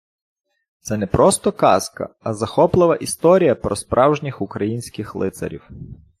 Це не просто казка, а захоплива історія про справжніх українських лицарів.